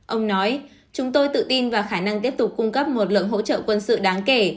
ông nói chúng tôi tự tin vào khả năng tiếp tục cung cấp một lượng hỗ trợ quân sự đáng kể